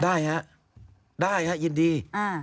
ได้ฮะได้ฮะยินดี